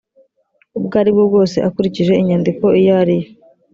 ubwo ari bwo bwose akurikije inyandiko iyo ariyo